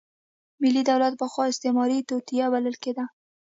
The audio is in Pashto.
ملي دولت پخوا استعماري توطیه بلل کېده.